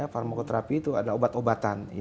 farmakoterapi itu ada obat obatan